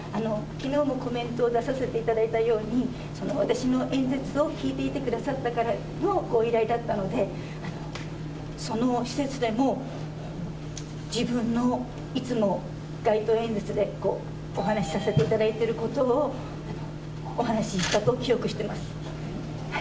きのうもコメントを出させていただいたように、私の演説を聞いていてくださった方からのご依頼だったので、その施設でも、自分のいつも街頭演説でお話しさせていただいていることを、お話したと記憶しています。